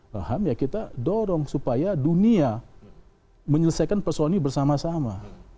paham ya kita dorong supaya dunia menyelesaikan persoalan ini bersama sama